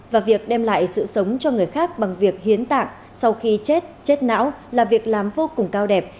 và việc đem lại sự sống cho người khác bằng việc hiến tạng sau khi chết chết não là việc làm vô cùng cao đẹp